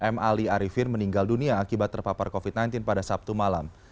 m ali arifin meninggal dunia akibat terpapar covid sembilan belas pada sabtu malam